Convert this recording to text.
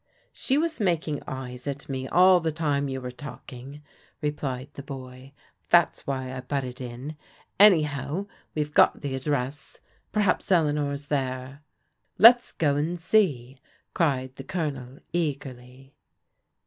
" She was making eyes at me all the time you were talking," replied the boy ;" that's why I butted in. Any how, we've got the address. Perhaps Eleanor's there," " Let's go and see," cried the Colonel eagerly.